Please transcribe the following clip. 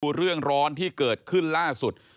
ดูเรื่องร้อนที่เกิดขึ้นล่าสุด